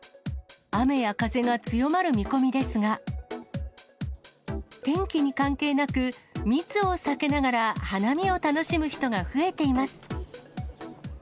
雨や風が強まる見込みですが、天気に関係なく、密を避けながら、花見を楽しむ人が増えています。